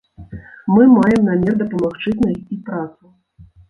Мы маем намер дапамагчы знайсці працу.